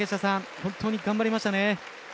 本当に頑張りましたね。